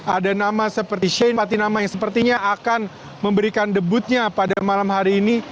ada nama seperti shane patinama yang sepertinya akan memberikan debutnya pada malam hari ini